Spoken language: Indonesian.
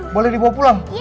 boleh dibawa pulang